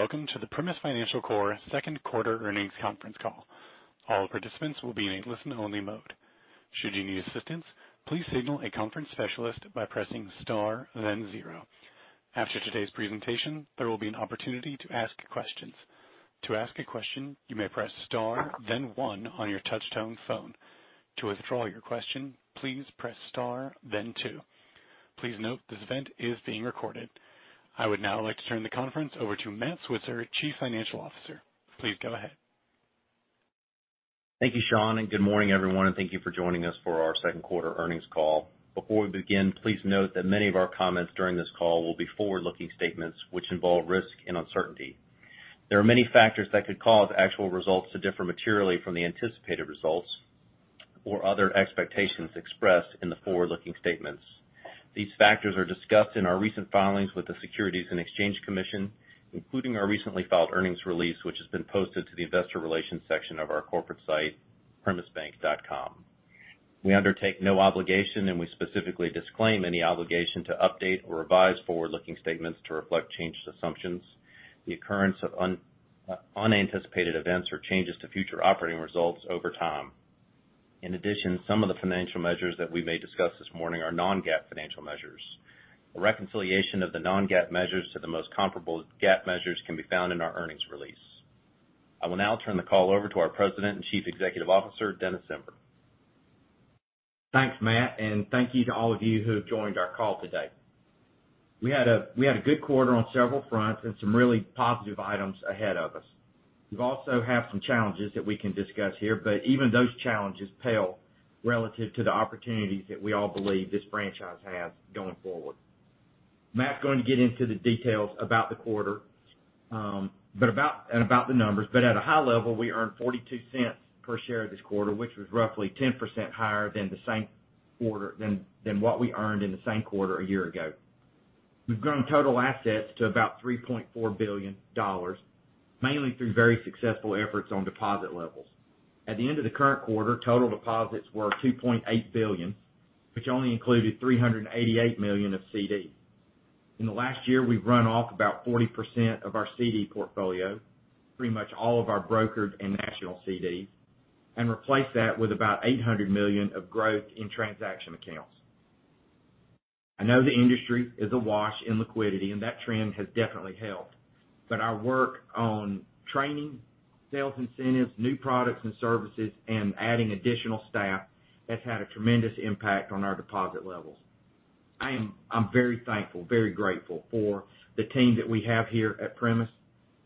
Good day, welcome to the Primis Financial Corp second quarter earnings conference call. All participants will be in a listen-only mode. Should you need assistance, please signal a conference specialist by pressing star then zero. After today's presentation, there will be an opportunity to ask questions. To ask a question, you may press star then one on your touch-tone phone. To withdraw your question, please press star then two. Please note this event is being recorded. I would now like to turn the conference over to Matt Switzer, Chief Financial Officer. Please go ahead. Thank you, Sean, and good morning, everyone. Thank you for joining us for our second quarter earnings call. Before we begin, please note that many of our comments during this call will be forward-looking statements which involve risk and uncertainty. There are many factors that could cause actual results to differ materially from the anticipated results or other expectations expressed in the forward-looking statements. These factors are discussed in our recent filings with the Securities and Exchange Commission, including our recently filed earnings release, which has been posted to the investor relations section of our corporate site, primisbank.com. We undertake no obligation and we specifically disclaim any obligation to update or revise forward-looking statements to reflect changed assumptions, the occurrence of unanticipated events or changes to future operating results over time. In addition, some of the financial measures that we may discuss this morning are non-GAAP financial measures. A reconciliation of the non-GAAP measures to the most comparable GAAP measures can be found in our earnings release. I will now turn the call over to our President and Chief Executive Officer, Dennis Zember. Thanks, Matt. Thank you to all of you who have joined our call today. We had a good quarter on several fronts and some really positive items ahead of us. We also have some challenges that we can discuss here. Even those challenges pale relative to the opportunities that we all believe this franchise has going forward. Matt's going to get into the details about the quarter, and about the numbers. At a high level, we earned $0.42 per share this quarter, which was roughly 10% higher than what we earned in the same quarter a year ago. We've grown total assets to about $3.4 billion, mainly through very successful efforts on deposit levels. At the end of the current quarter, total deposits were $2.8 billion, which only included $388 million of CD. In the last year, we've run off about 40% of our CD portfolio, pretty much all of our brokered and national CDs, and replaced that with about $800 million of growth in transaction accounts. I know the industry is awash in liquidity, and that trend has definitely helped. Our work on training, sales incentives, new products and services, and adding additional staff, that's had a tremendous impact on our deposit levels. I'm very thankful, very grateful for the team that we have here at Primis,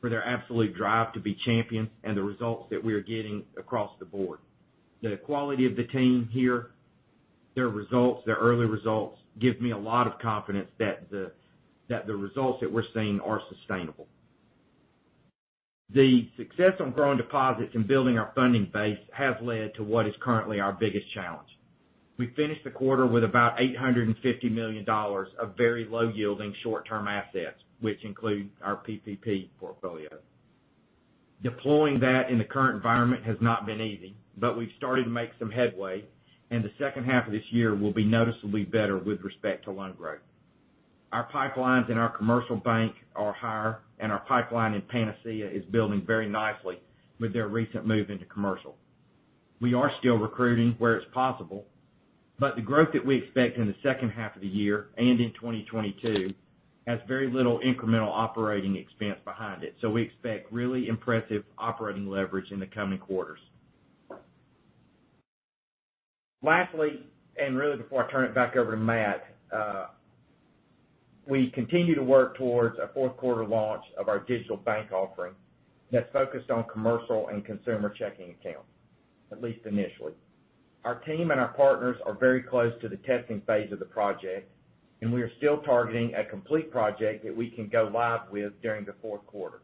for their absolute drive to be champions and the results that we are getting across the board. The quality of the team here, their results, their early results, give me a lot of confidence that the results that we're seeing are sustainable. The success on growing deposits and building our funding base has led to what is currently our biggest challenge. We finished the quarter with about $850 million of very low yielding short-term assets, which include our PPP portfolio. Deploying that in the current environment has not been easy, but we've started to make some headway, and the second half of this year will be noticeably better with respect to loan growth. Our pipelines in our commercial bank are higher, and our pipeline in Panacea is building very nicely with their recent move into commercial. We are still recruiting where it's possible, but the growth that we expect in the second half of the year and in 2022 has very little incremental operating expense behind it. We expect really impressive operating leverage in the coming quarters. Lastly, and really before I turn it back over to Matt, we continue to work towards a fourth quarter launch of our digital bank offering that's focused on commercial and consumer checking accounts, at least initially. Our team and our partners are very close to the testing phase of the project, and we are still targeting a complete project that we can go live with during the fourth quarter.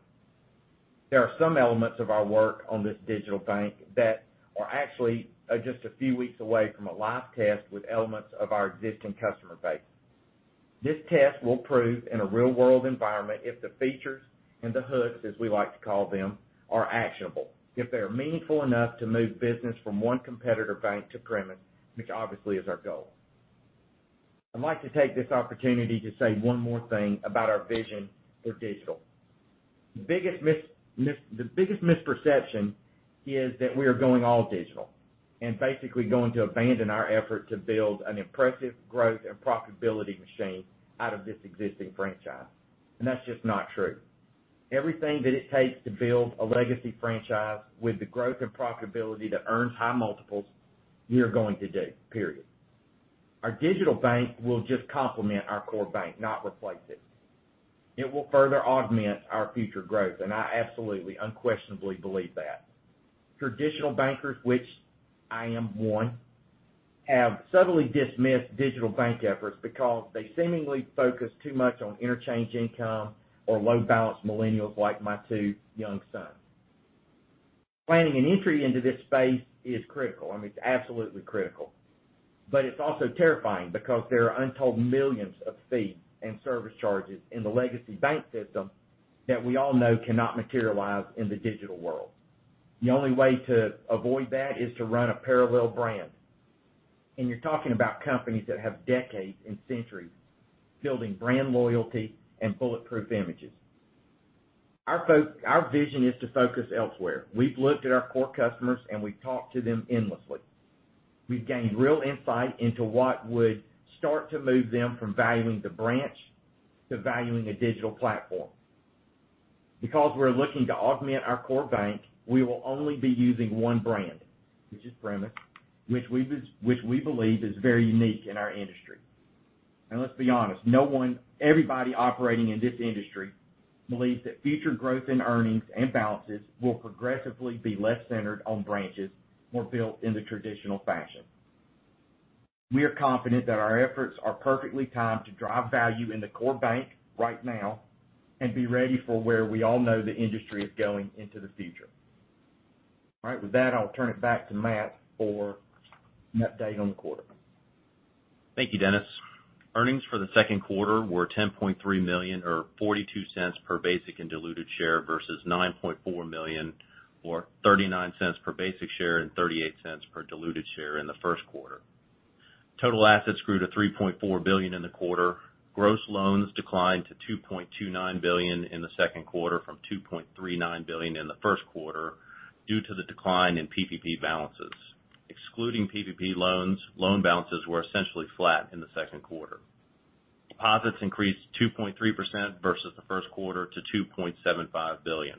There are some elements of our work on this digital bank that are actually just a few weeks away from a live test with elements of our existing customer base. This test will prove in a real-world environment if the features and the hooks, as we like to call them, are actionable, if they are meaningful enough to move business from one competitor bank to Primis, which obviously is our goal. I'd like to take this opportunity to say one more thing about our vision for digital. The biggest misperception is that we are going all digital and basically going to abandon our effort to build an impressive growth and profitability machine out of this existing franchise. That's just not true. Everything that it takes to build a legacy franchise with the growth and profitability that earns high multiples, we are going to do, period. Our digital bank will just complement our core bank, not replace it. It will further augment our future growth, and I absolutely, unquestionably believe that. Traditional bankers, which I am one, have subtly dismissed digital bank efforts because they seemingly focus too much on interchange income or low balance millennials like my two young sons. Planning an entry into this space is critical. I mean, it's absolutely critical. It's also terrifying because there are untold millions of fees and service charges in the legacy bank system that we all know cannot materialize in the digital world. The only way to avoid that is to run a parallel brand. You're talking about companies that have decades and centuries building brand loyalty and bulletproof images. Our vision is to focus elsewhere. We've looked at our core customers, and we've talked to them endlessly. We've gained real insight into what would start to move them from valuing the branch to valuing a digital platform. Because we're looking to augment our core bank, we will only be using one brand, which is Primis, which we believe is very unique in our industry. Let's be honest, everybody operating in this industry believes that future growth in earnings and balances will progressively be less centered on branches more built in the traditional fashion. We are confident that our efforts are perfectly timed to drive value in the core bank right now and be ready for where we all know the industry is going into the future. All right, with that, I'll turn it back to Matt for an update on the quarter. Thank you, Dennis. Earnings for the second quarter were $10.3 million or $0.42 per basic and diluted share versus $9.4 million or $0.39 per basic share and $0.38 per diluted share in the first quarter. Total assets grew to $3.4 billion in the quarter. Gross loans declined to $2.29 billion in the second quarter from $2.39 billion in the first quarter due to the decline in PPP balances. Excluding PPP loans, loan balances were essentially flat in the second quarter. Deposits increased 2.3% versus the first quarter to $2.75 billion.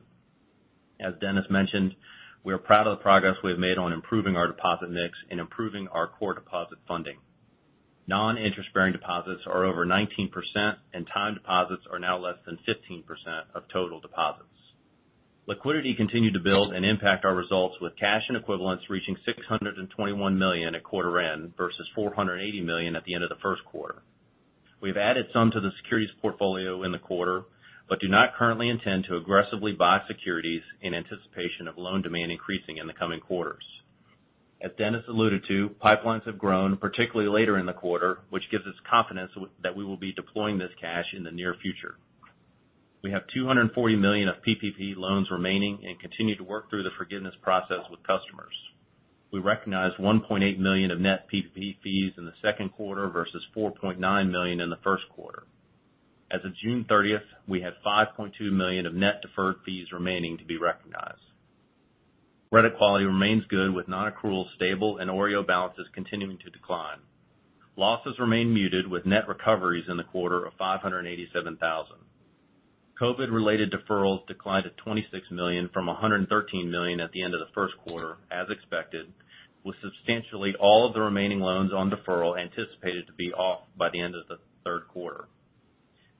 As Dennis mentioned, we are proud of the progress we have made on improving our deposit mix and improving our core deposit funding. Non-interest-bearing deposits are over 19%, and time deposits are now less than 15% of total deposits. Liquidity continued to build and impact our results with cash and equivalents reaching $621 million at quarter end versus $480 million at the end of the first quarter. We've added some to the securities portfolio in the quarter but do not currently intend to aggressively buy securities in anticipation of loan demand increasing in the coming quarters. As Dennis alluded to, pipelines have grown, particularly later in the quarter, which gives us confidence that we will be deploying this cash in the near future. We have $240 million of PPP loans remaining and continue to work through the forgiveness process with customers. We recognized $1.8 million of net PPP fees in the second quarter versus $4.9 million in the first quarter. As of June 30th, we had $5.2 million of net deferred fees remaining to be recognized. Credit quality remains good with non-accrual stable and OREO balances continuing to decline. Losses remain muted with net recoveries in the quarter of $587,000. COVID related deferrals declined to $26 million from $113 million at the end of the first quarter, as expected, with substantially all of the remaining loans on deferral anticipated to be off by the end of the third quarter.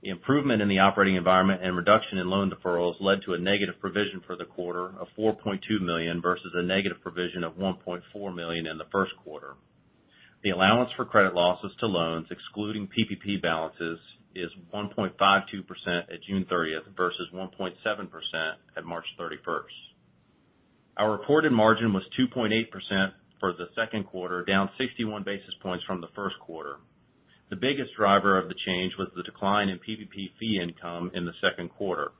The improvement in the operating environment and reduction in loan deferrals led to a negative provision for the quarter of $4.2 million versus a negative provision of $1.4 million in the first quarter. The allowance for credit losses to loans, excluding PPP balances, is 1.52% at June 30th versus 1.7% at March 31st. Our reported margin was 2.8% for the second quarter, down 61 basis points from the first quarter. The biggest driver of the change was the decline in PPP fee income in the second quarter.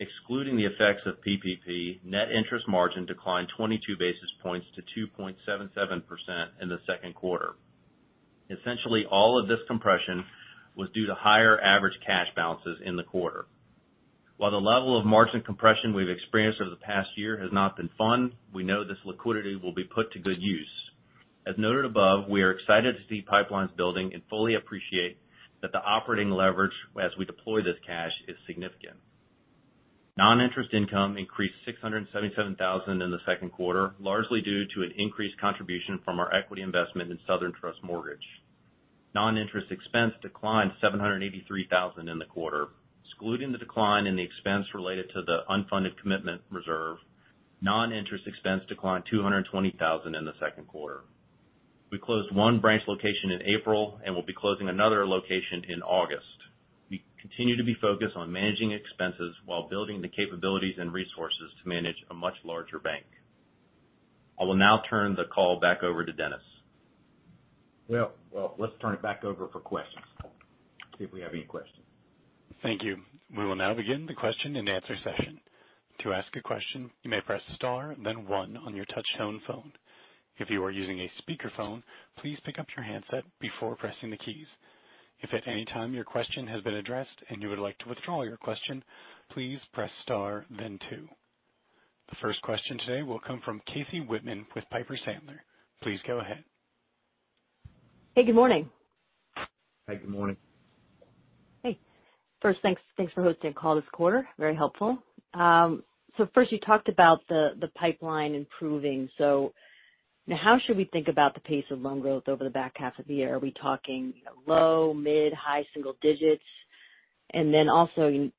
Excluding the effects of PPP, net interest margin declined 22 basis points to 2.77% in the second quarter. Essentially, all of this compression was due to higher average cash balances in the quarter. While the level of margin compression we've experienced over the past year has not been fun, we know this liquidity will be put to good use. As noted above, we are excited to see pipelines building and fully appreciate that the operating leverage as we deploy this cash is significant. Non-interest income increased $677,000 in the second quarter, largely due to an increased contribution from our equity investment in Southern Trust Mortgage. Non-interest expense declined $783,000 in the quarter. Excluding the decline in the expense related to the unfunded commitment reserve, non-interest expense declined $220,000 in the second quarter. We closed one branch location in April and will be closing another location in August. We continue to be focused on managing expenses while building the capabilities and resources to manage a much larger bank. I will now turn the call back over to Dennis. Let's turn it back over for questions. See if we have any questions. Thank you. We will now begin the question-and-answer session. To ask a question you may press star then one on your touch-tone phone. If you are using a speaker phone, please pick up your handset before pressing the keys. If at anytime your question has been addressed, and you would like to withdraw your question, please press star then two. The first question today will come from Casey Whitman with Piper Sandler. Please go ahead. Hey, good morning. Hey, good morning. Hey. First, thanks for hosting a call this quarter. Very helpful. First, you talked about the pipeline improving. How should we think about the pace of loan growth over the back half of the year? Are we talking low, mid, high single digits? Then also, do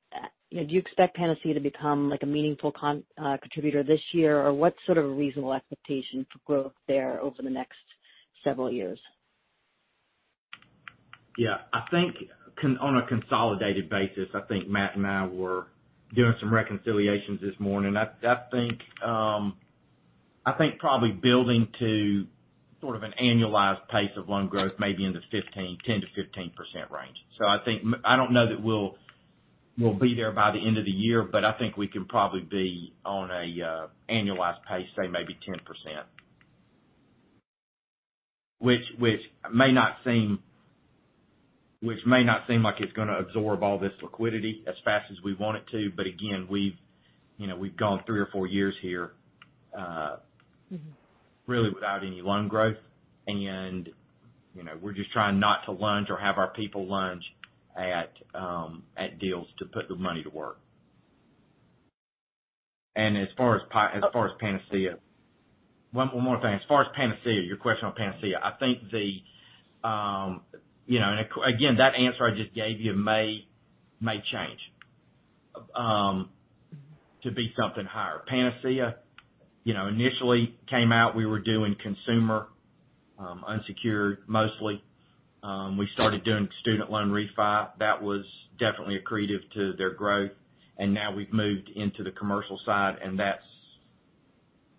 you expect Panacea to become a meaningful contributor this year, or what sort of reasonable expectation for growth there over the next several years? Yeah, on a consolidated basis, I think Matt and I were doing some reconciliations this morning. I think probably building to sort of an annualized pace of loan growth, maybe in the 10%-15% range. I don't know that we'll be there by the end of the year, but I think we can probably be on an annualized pace, say maybe 10%. Which may not seem like it's going to absorb all this liquidity as fast as we want it to, but again, we've gone three or four years here. Really without any loan growth. We're just trying not to lunge or have our people lunge at deals to put the money to work. As far as Panacea, one more thing. As far as Panacea, your question on Panacea, again, that answer I just gave you may change to be something higher. Panacea initially came out, we were doing consumer, unsecured mostly. We started doing student loan refi. That was definitely accretive to their growth. Now we've moved into the commercial side, and that's,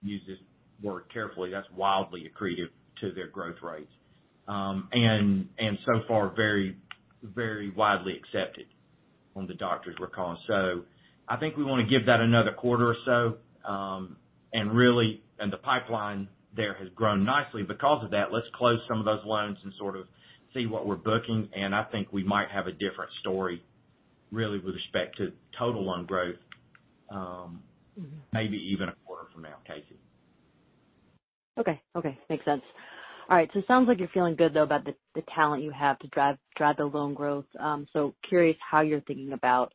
use this word carefully, that's wildly accretive to their growth rates. So far, very widely accepted on the doctors we're calling. I think we want to give that another quarter or so. The pipeline there has grown nicely because of that. Let's close some of those loans and sort of see what we're booking. I think we might have a different story really with respect to total loan growth. Maybe even a quarter from now, Casey. Okay. Makes sense. All right. It sounds like you're feeling good, though, about the talent you have to drive the loan growth. Curious how you're thinking about the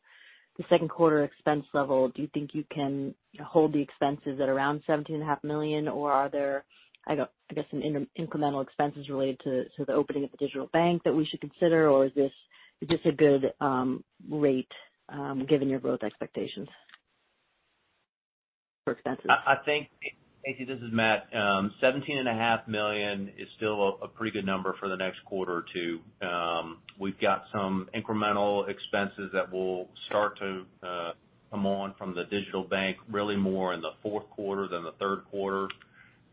second quarter expense level. Do you think you can hold the expenses at around $17.5 million, or are there some incremental expenses related to the opening of the digital bank that we should consider, or is this a good rate given your growth expectations for expenses? I think, Casey, this is Matt. $17.5 million is still a pretty good number for the next quarter or two. We've got some incremental expenses that will start to come on from the digital bank, really more in the fourth quarter than the third quarter.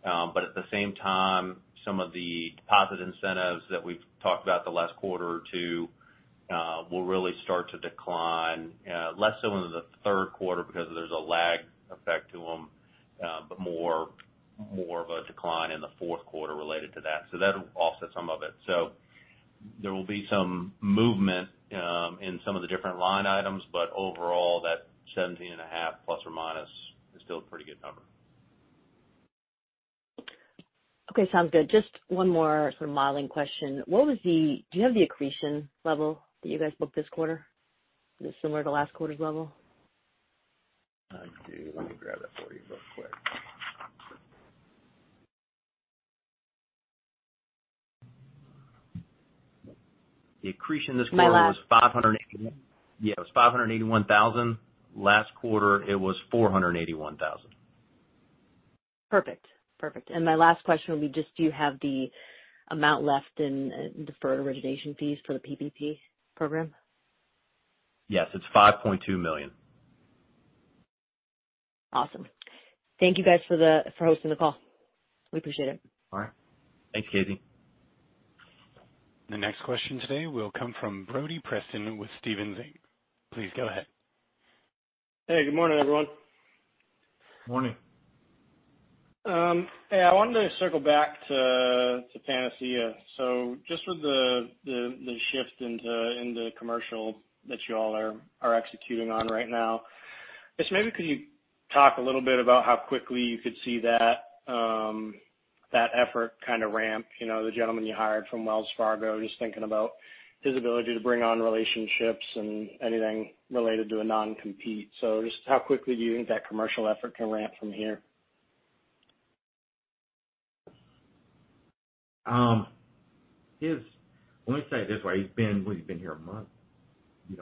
At the same time, some of the deposit incentives that we've talked about the last quarter or two will really start to decline, less so into the third quarter because there's a lag effect to them, but more of a decline in the fourth quarter related to that. That'll offset some of it. There will be some movement in some of the different line items, but overall, that $17.5 ± is still a pretty good number. Okay, sounds good. Just one more sort of modeling question. Do you have the accretion level that you guys booked this quarter? Is it similar to last quarter's level? I do. Let me grab that for you real quick. The accretion this quarter. My last- Yeah. It was $581,000. Last quarter, it was $481,000. Perfect. My last question would be, just do you have the amount left in deferred origination fees for the PPP program? Yes, it's $5.2 million. Awesome. Thank you guys for hosting the call. We appreciate it. All right. Thanks, Casey. The next question today will come from Brody Preston with Stephens Inc. Please go ahead. Hey, good morning, everyone. Morning. Hey, I wanted to circle back to Panacea. Just with the shift in the commercial that you all are executing on right now, I guess maybe could you talk a little bit about how quickly you could see that effort kind of ramp, the gentleman you hired from Wells Fargo, just thinking about his ability to bring on relationships and anything related to a non-compete. Just how quickly do you think that commercial effort can ramp from here? Let me say it this way. What has he been here a month?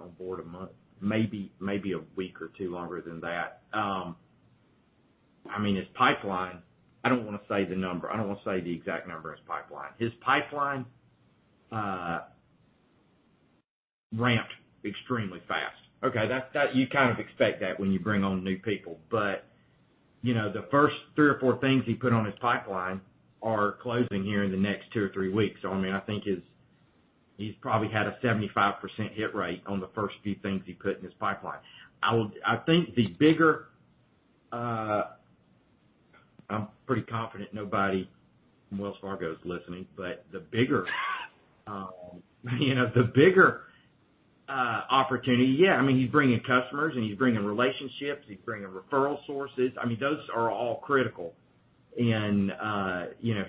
On board a month. Maybe a week or two longer than that. His pipeline, I don't want to say the number. I don't want to say the exact number of his pipeline. His pipeline ramped extremely fast. Okay. You kind of expect that when you bring on new people. The first three or four things he put on his pipeline are closing here in the next two or three weeks. I think he's probably had a 75% hit rate on the first few things he put in his pipeline. I'm pretty confident nobody from Wells Fargo is listening, but the bigger opportunity, yeah, he's bringing customers, and he's bringing relationships. He's bringing referral sources. Those are all critical in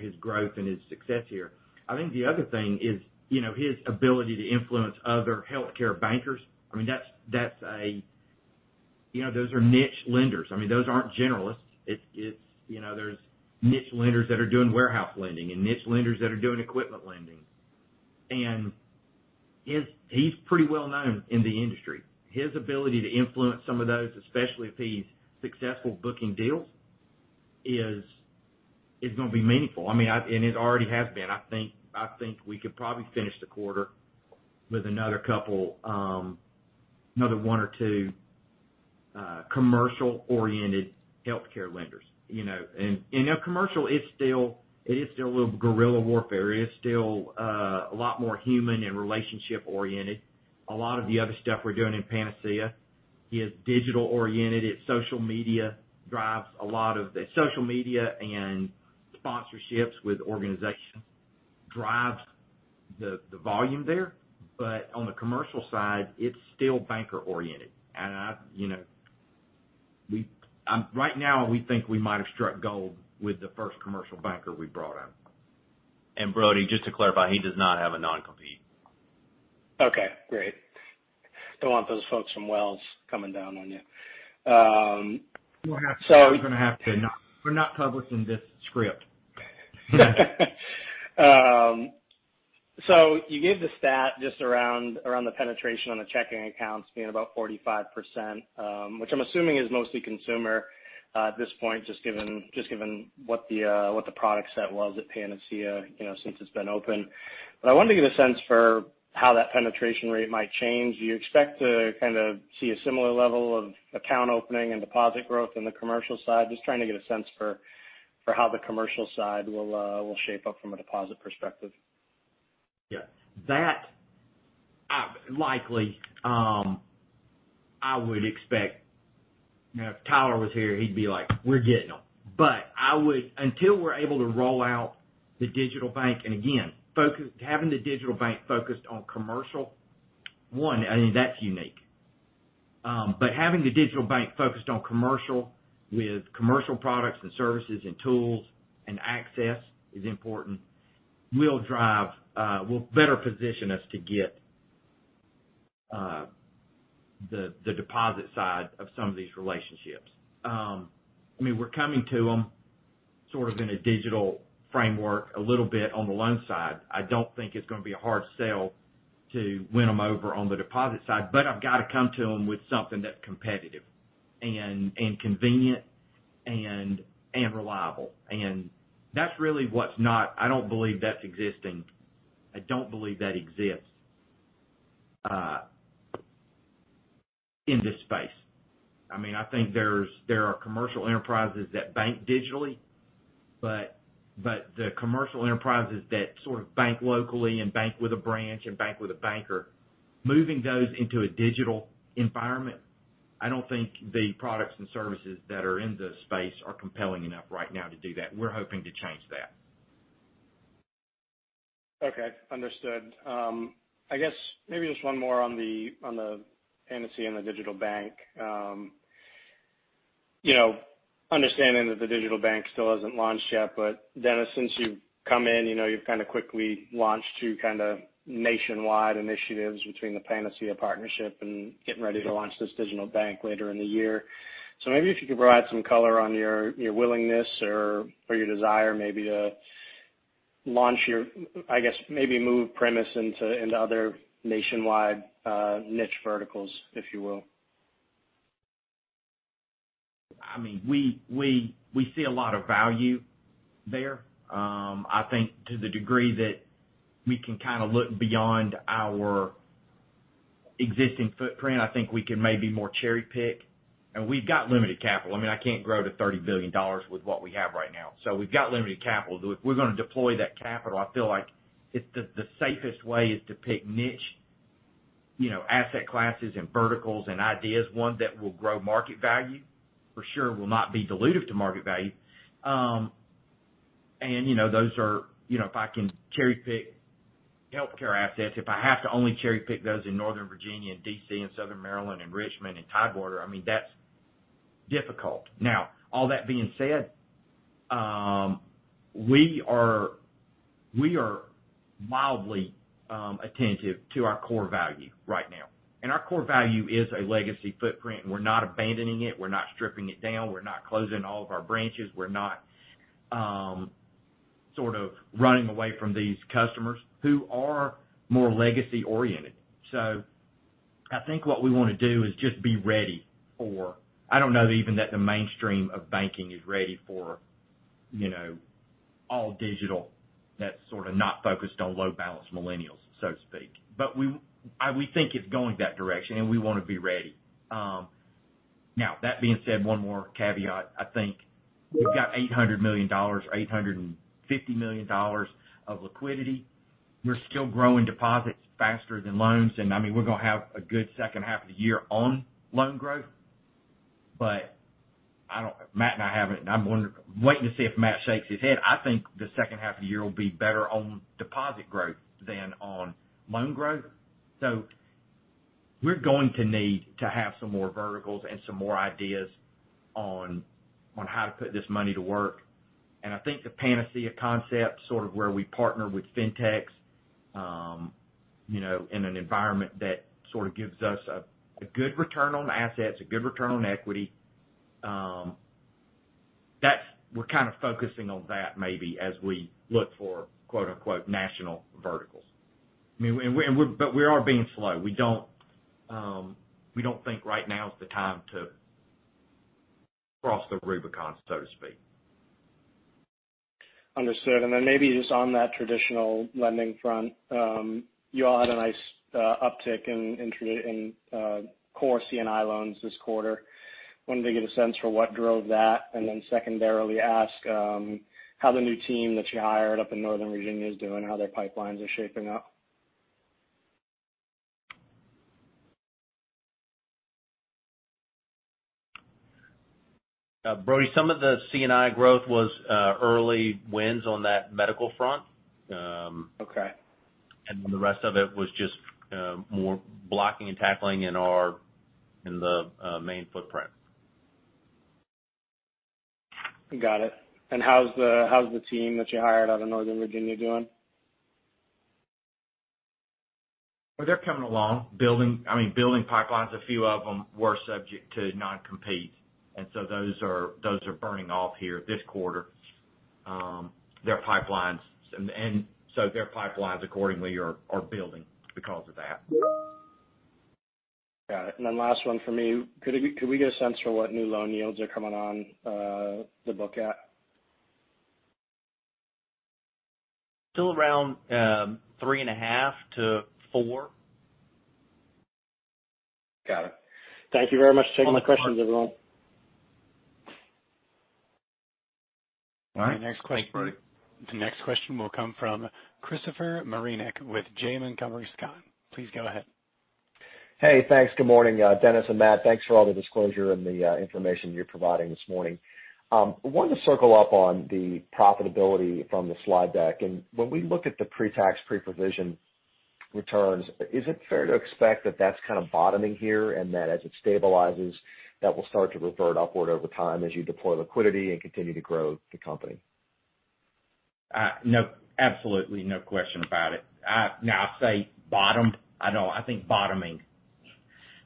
his growth and his success here. I think the other thing is his ability to influence other healthcare bankers. Those are niche lenders. Those aren't generalists. There's niche lenders that are doing warehouse lending and niche lenders that are doing equipment lending. He's pretty well-known in the industry. His ability to influence some of those, especially if he's successful booking deals, is going to be meaningful. It already has been. I think we could probably finish the quarter with another one or two commercial-oriented healthcare lenders. Commercial, it is still a little guerrilla warfare. It is still a lot more human and relationship oriented. A lot of the other stuff we're doing in Panacea is digital oriented. Social media and sponsorships with organizations drives the volume there. On the commercial side, it's still banker oriented. Right now, we think we might have struck gold with the first commercial banker we brought on. Brody, just to clarify, he does not have a non-compete. Okay, great. Don't want those folks from Wells coming down on you. We're not publishing this script. You gave the stat just around the penetration on the checking accounts being about 45%, which I'm assuming is mostly consumer at this point, just given what the product set was at Panacea since it's been open. I wanted to get a sense for how that penetration rate might change. Do you expect to see a similar level of account opening and deposit growth on the commercial side? Just trying to get a sense for how the commercial side will shape up from a deposit perspective. Yeah. That, likely, I would expect If Tyler was here, he'd be like, "We're getting them." Until we're able to roll out the digital bank, and again, having the digital bank focused on commercial, one, that's unique. Having the digital bank focused on commercial with commercial products and services and tools and access is important, will better position us to get the deposit side of some of these relationships. We're coming to them sort of in a digital framework a little bit on the loan side. I don't think it's going to be a hard sell to win them over on the deposit side, but I've got to come to them with something that's competitive and convenient and reliable. I don't believe that exists in this space. I think there are commercial enterprises that bank digitally, but the commercial enterprises that sort of bank locally and bank with a branch and bank with a banker, moving those into a digital environment, I don't think the products and services that are in the space are compelling enough right now to do that. We're hoping to change that. Okay. Understood. I guess maybe just one more on the Panacea and the digital bank. Understanding that the digital bank still hasn't launched yet, Dennis, since you've come in, you've quickly launched two nationwide initiatives between the Panacea partnership and getting ready to launch this digital bank later in the year. Maybe if you could provide some color on your willingness or your desire maybe to, I guess, maybe move Primis into other nationwide niche verticals, if you will. We see a lot of value there. I think to the degree that we can look beyond our existing footprint, I think we can maybe more cherry-pick. We've got limited capital. I can't grow to $30 billion with what we have right now. We've got limited capital. If we're going to deploy that capital, I feel like the safest way is to pick niche asset classes and verticals and ideas, one that will grow market value, for sure will not be dilutive to market value. If I can cherry-pick healthcare assets, if I have to only cherry-pick those in Northern Virginia and D.C. and Southern Maryland and Richmond and Tidewater, that's difficult. All that being said, we are mildly attentive to our core value right now, and our core value is a legacy footprint, and we're not abandoning it. We're not stripping it down. We're not closing all of our branches. We're not sort of running away from these customers who are more legacy oriented. I think what we want to do is just be ready for I don't know even that the mainstream of banking is ready for all digital that's sort of not focused on low-balance millennials, so to speak. We think it's going that direction, and we want to be ready. Now, that being said, one more caveat. I think we've got $800 million, $850 million of liquidity. We're still growing deposits faster than loans. We're going to have a good second half of the year on loan growth. Matt and I haven't, and I'm waiting to see if Matt shakes his head. I think the second half of the year will be better on deposit growth than on loan growth. We're going to need to have some more verticals and some more ideas on how to put this money to work. I think the Panacea concept, sort of where we partner with fintechs, in an environment that sort of gives us a good return on assets, a good return on equity, we're kind of focusing on that maybe as we look for "national verticals." We are being slow. We don't think right now is the time to cross the Rubicon, so to speak. Understood. Maybe just on that traditional lending front, you all had a nice uptick in core C&I loans this quarter. I wanted to get a sense for what drove that, secondarily ask how the new team that you hired up in Northern Virginia is doing, how their pipelines are shaping up. Brody, some of the C&I growth was early wins on that medical front. Okay. The rest of it was just more blocking and tackling in the main footprint. Got it. How's the team that you hired out of Northern Virginia doing? Well, they're coming along, building pipelines. A few of them were subject to non-compete, those are burning off here this quarter. Their pipelines accordingly are building because of that. Got it. Last one from me. Could we get a sense for what new loan yields are coming on the book at? Still around three and a half to four. Got it. Thank you very much. Those are my questions, everyone. All right. Thanks, Brody. The next question will come from Christopher Marinac with Janney Montgomery Scott. Please go ahead. Hey, thanks. Good morning, Dennis and Matt. Thanks for all the disclosure and the information you're providing this morning. Wanted to circle up on the profitability from the slide deck. When we look at the pre-tax, pre-provision returns, is it fair to expect that that's kind of bottoming here, and that as it stabilizes, that will start to revert upward over time as you deploy liquidity and continue to grow the company? No, absolutely. No question about it. Now I say bottom. I think bottoming.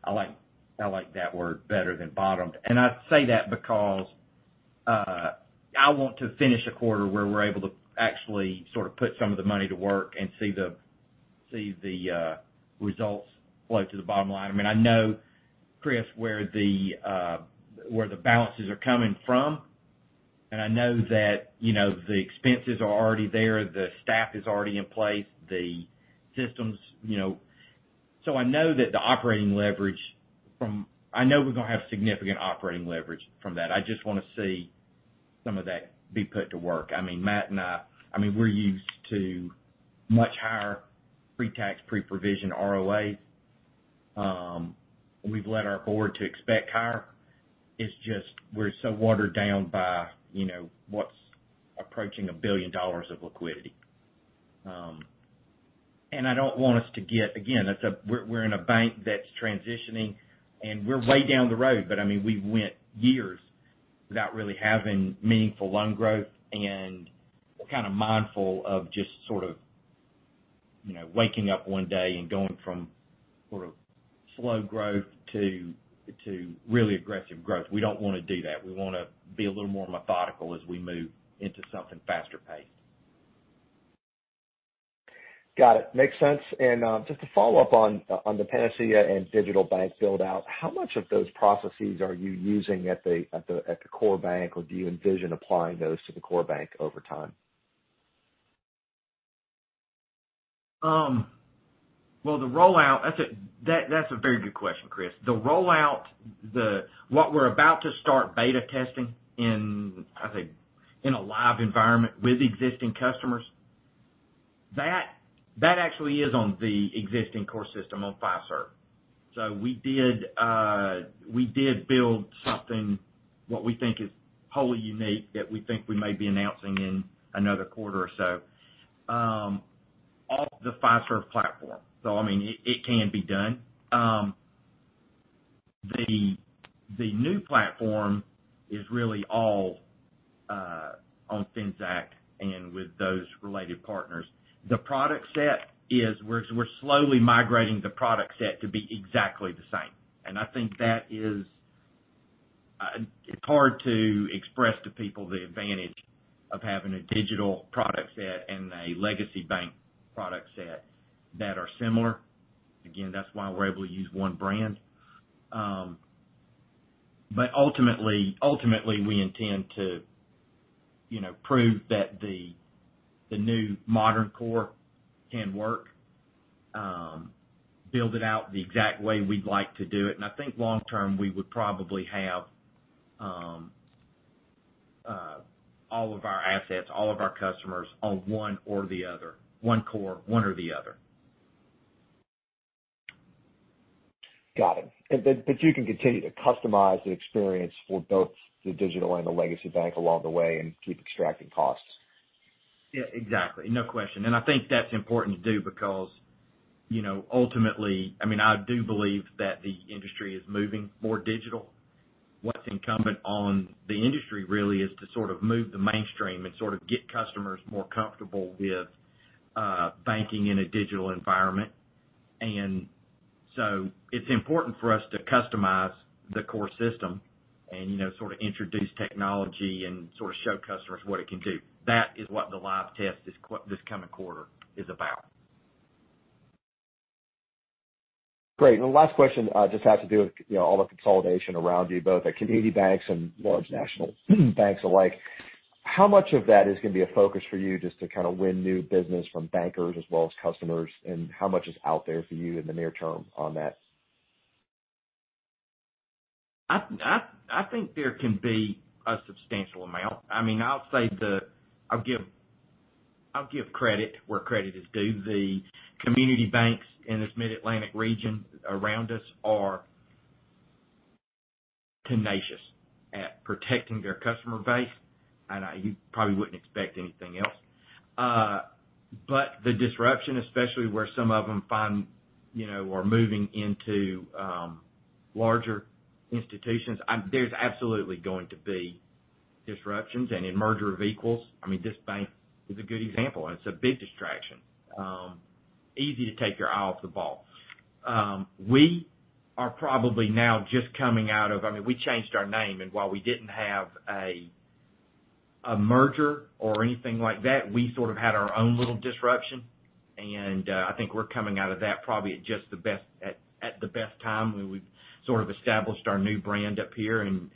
I like that word better than bottomed. I say that because I want to finish a quarter where we're able to actually sort of put some of the money to work and see the results flow to the bottom line. I know, Chris, where the balances are coming from. I know that the expenses are already there, the staff is already in place, the systems. I know we're going to have significant operating leverage from that. I just want to see some of that be put to work. Matt and I, we're used to much higher pre-tax, pre-provision ROA. We've led our board to expect higher. It's just, we're so watered down by what's approaching a billion of dollars of liquidity. Again, we're in a bank that's transitioning, and we're way down the road, but we went years without really having meaningful loan growth, and we're kind of mindful of just sort of waking up one day and going from slow growth to really aggressive growth. We don't want to do that. We want to be a little more methodical as we move into something faster paced. Got it. Makes sense. Just to follow up on the Panacea and digital bank build-out, how much of those processes are you using at the core bank, or do you envision applying those to the core bank over time? Well, that's a very good question, Chris. The rollout, what we're about to start beta testing in, I think, in a live environment with existing customers, that actually is on the existing core system on Fiserv. We did build something, what we think is wholly unique, that we think we may be announcing in another quarter or so, off the Fiserv platform. It can be done. The new platform is really all on Finxact and with those related partners. The product set is, we're slowly migrating the product set to be exactly the same. I think that is hard to express to people the advantage of having a digital product set and a legacy bank product set that are similar. Again, that's why we're able to use one brand. Ultimately, we intend to prove that the new modern core can work, build it out the exact way we'd like to do it, and I think long term, we would probably have all of our assets, all of our customers on one or the other. One core, one or the other. Got it. You can continue to customize the experience for both the digital and the legacy bank along the way and keep extracting costs. Yeah, exactly. No question. I think that's important to do because ultimately, I do believe that the industry is moving more digital. What's incumbent on the industry really is to sort of move the mainstream and sort of get customers more comfortable with banking in a digital environment. It's important for us to customize the core system and sort of introduce technology and sort of show customers what it can do. That is what the live test this coming quarter is about. Great. The last question just has to do with all the consolidation around you, both at community banks and large national banks alike. How much of that is going to be a focus for you just to kind of win new business from bankers as well as customers, and how much is out there for you in the near term on that? I think there can be a substantial amount. I'll give credit where credit is due. The community banks in this Mid-Atlantic region around us are tenacious at protecting their customer base. You probably wouldn't expect anything else. The disruption, especially where some of them are moving into larger institutions, there's absolutely going to be disruptions. In merger of equals, this bank is a good example, and it's a big distraction. Easy to take your eye off the ball. We are probably now just coming out of we changed our name, and while we didn't have a merger or anything like that, we sort of had our own little disruption. I think we're coming out of that probably at the best time, where we've sort of established our new brand up here and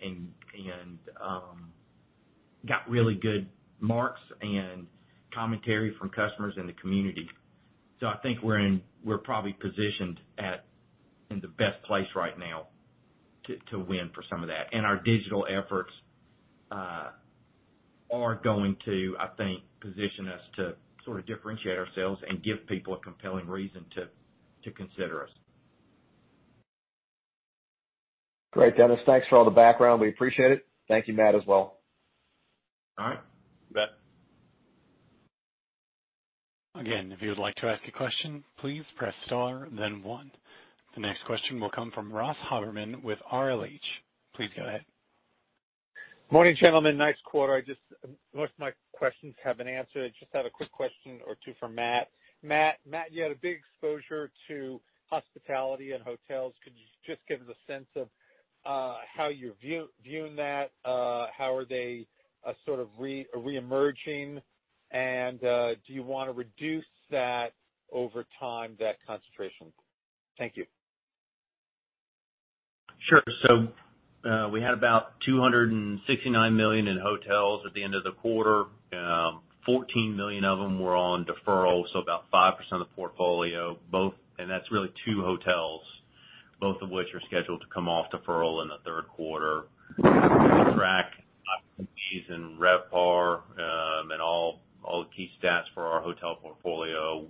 got really good marks and commentary from customers in the community. I think we're probably positioned in the best place right now to win for some of that. Our digital efforts are going to, I think, position us to sort of differentiate ourselves and give people a compelling reason to consider us. Great, Dennis. Thanks for all the background. We appreciate it. Thank you, Matt, as well. All right. You bet. Again, if you would like to ask a question, please press star then one. The next question will come from Ross Haberman with RLH. Please go ahead. Morning, gentlemen. Nice quarter. Most of my questions have been answered. Just have a quick question or two for Matt. Matt, you had a big exposure to hospitality and hotels. Could you just give us a sense of how you're viewing that? How are they sort of re-emerging, and do you want to reduce that over time, that concentration? Thank you. Sure. We had about $269 million in hotels at the end of the quarter. $14 million of them were on deferral, so about 5% of the portfolio. That's really two hotels, both of which are scheduled to come off deferral in the third quarter. We track properties in RevPAR, and all the key stats for our hotel portfolio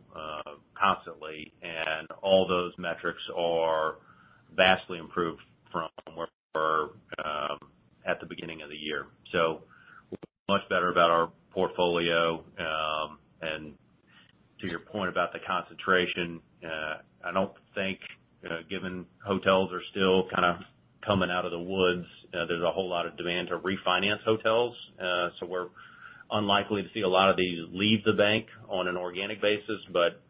constantly, and all those metrics are vastly improved from where we were at the beginning of the year. We feel much better about our portfolio. To your point about the concentration, I don't think, given hotels are still kind of coming out of the woods, there's a whole lot of demand to refinance hotels. We're unlikely to see a lot of these leave the bank on an organic basis, but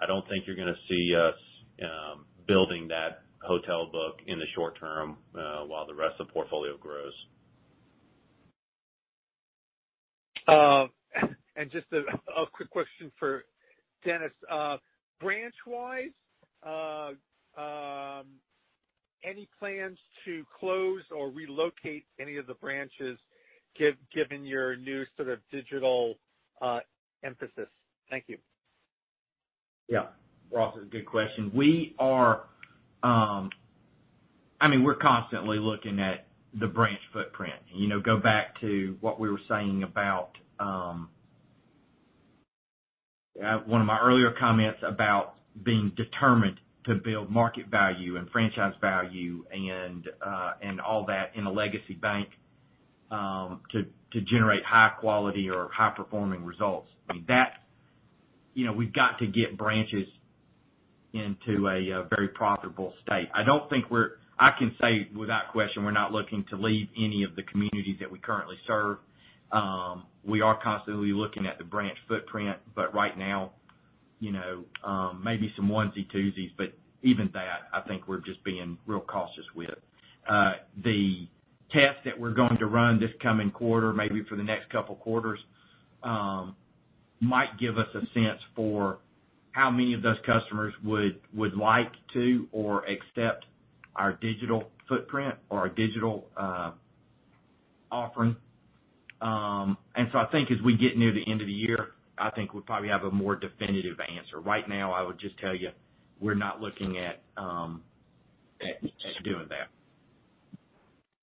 I don't think you're going to see us building that hotel book in the short term while the rest of the portfolio grows. Just a quick question for Dennis. Branch-wise, any plans to close or relocate any of the branches given your new sort of digital emphasis? Thank you. Yeah. Ross, good question. We're constantly looking at the branch footprint. Go back to what we were saying about one of my earlier comments about being determined to build market value and franchise value and all that in a legacy bank, to generate high quality or high performing results. We've got to get branches into a very profitable state. I can say without question, we're not looking to leave any of the communities that we currently serve. We are constantly looking at the branch footprint, but right now, maybe some onesie-twosies, but even that, I think we're just being real cautious with. The test that we're going to run this coming quarter, maybe for the next couple quarters, might give us a sense for how many of those customers would like to or accept our digital footprint or our digital offering. I think as we get near the end of the year, I think we'll probably have a more definitive answer. Right now, I would just tell you, we're not looking at doing that.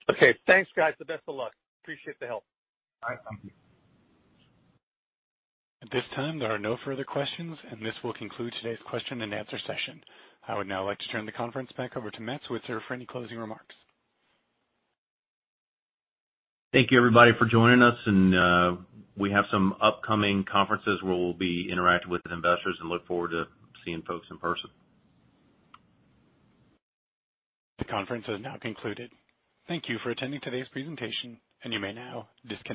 Okay. Thanks, guys. The best of luck. Appreciate the help. All right. Thank you. At this time, there are no further questions, and this will conclude today's question-and-answer session. I would now like to turn the conference back over to Matt Switzer for any closing remarks. Thank you, everybody, for joining us. We have some upcoming conferences where we'll be interacting with investors and look forward to seeing folks in person. The conference has now concluded. Thank you for attending today's presentation, and you may now disconnect.